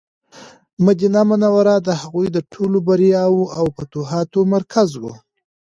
مدینه منوره د هغوی د ټولو بریاوو او فتوحاتو مرکز و.